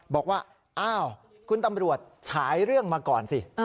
บอกว่าอ้าวคุณตำรวจฉายเรื่องมาก่อนสิ